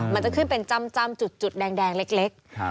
มันจะขึ้นเป็นจ้ำจุดแดงเล็ก